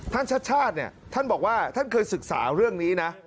ชาติชาติเนี่ยท่านบอกว่าท่านเคยศึกษาเรื่องนี้นะ